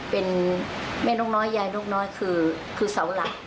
เป็นแม่นกน้อยยายนกน้อยคือเสาหลัก